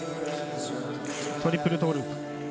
トリプルトーループ。